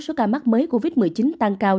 số ca mắc mới covid một mươi chín tăng cao